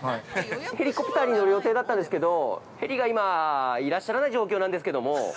ヘリコプターに乗る予定だったんですけどヘリが今、いらっしゃらない状況なんですけども。